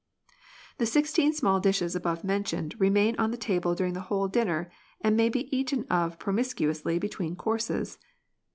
The sixteen small dishes above mentioned remain on the table during the whole dinner and may be eaten of promis cuously between courses.